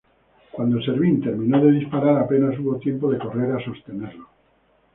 Cuando Servín terminó de disparar, apenas hubo tiempo de correr a sostenerlo.